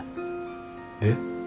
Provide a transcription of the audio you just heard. えっ？